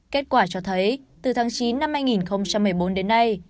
kết quả cho thấy từ tháng chín năm hai nghìn một mươi bốn đến nay